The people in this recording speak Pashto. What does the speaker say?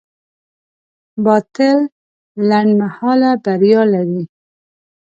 باطل لنډمهاله بریا لري.